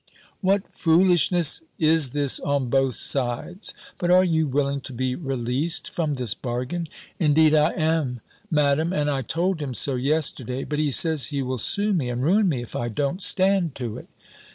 "What foolishness is this on both sides! But are you willing to be released from this bargain?" "Indeed I am. Madam, and I told him so yesterday. But he says he will sue me, and ruin me, if I don't stand to it."